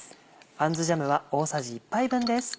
アンズジャムは大さじ１杯分です。